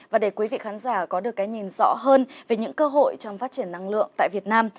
và để quý vị khán giả có được cái nhìn rõ hơn về những cơ hội trong phát triển năng lượng tại việt nam